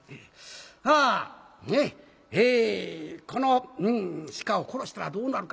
さあねっえこの鹿を殺したらどうなるか。